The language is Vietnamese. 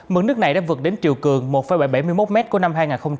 mức nước này đã vượt đến chiều cường một bảy mươi một m của năm hai nghìn hai mươi